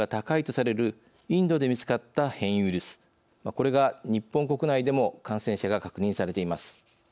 これが日本国内でも感染者が確認されています。